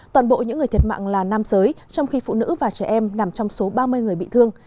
toàn bộ những người thiệt mạng là nam giới trong khi phụ nữ và trẻ em nằm trong số ba mươi người bị thương